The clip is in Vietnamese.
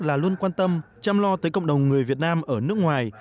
là luôn quan tâm chăm lo tới cộng đồng người việt nam ở nước ngoài